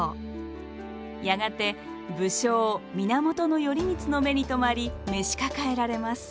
やがて武将源頼光の目に留まり召し抱えられます。